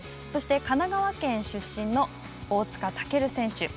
そして神奈川県出身の大塚健選手。